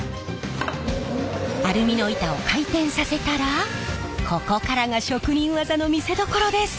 アルミの板を回転させたらここからが職人技の見せどころです。